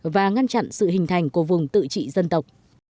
và ngăn chặn sự hình thành của vùng tự trị dân tộc